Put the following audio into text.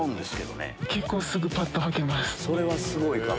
それはすごいかも。